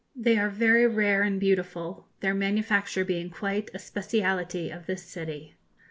They are very rare and beautiful, their manufacture being quite a spécialité of this city.